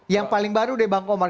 yang paling baru deh bang komar